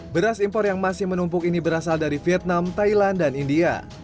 beras impor yang masih menumpuk ini berasal dari vietnam thailand dan india